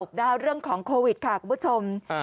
อบดาวเรื่องของโควิดค่ะกับผู้ชม